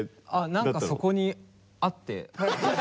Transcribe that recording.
何かそこにあって。